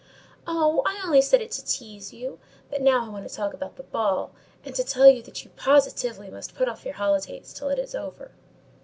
"Well, I only said it to tease you. But now I want to talk about the ball; and to tell you that you positively must put off your holidays till it is over."